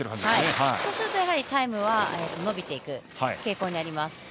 そうするとタイムは伸びていく傾向にあります。